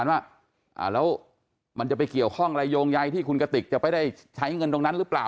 ว่าแล้วมันจะไปเกี่ยวข้องอะไรโยงใยที่คุณกติกจะไม่ได้ใช้เงินตรงนั้นหรือเปล่า